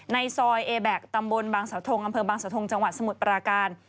ในซอยเอแบ็คตำบลบางสาวทงอำเภอบางสาวทงจังหวัดสมุทรปราการ